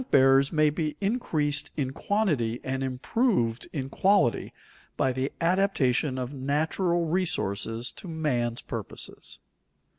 _Rent bearers may be increased in quantity and improved in quality by the adaptation of natural resources to man's purposes.